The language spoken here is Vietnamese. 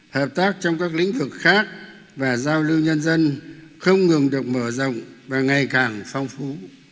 hợp tác trong các lĩnh vực khác và giao lưu nhân dân không ngừng được mở rộng và ngày càng phong phú